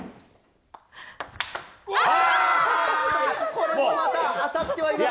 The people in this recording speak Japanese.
これもまた当たってはいます。